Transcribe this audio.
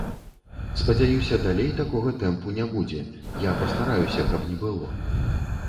Спадзяюся, далей такога тэмпу не будзе, я пастараюся, каб не было.